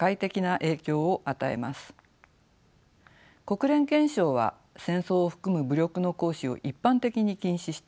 国連憲章は戦争を含む武力の行使を一般的に禁止しています。